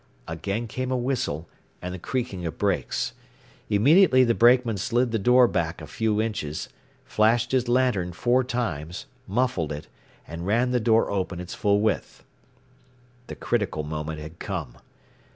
Again came a whistle, and the creaking of brakes. Immediately the brakeman slid the car door back a few inches, flashed his lantern four times, muffled it, and ran the door open its full width. The critical moment had come.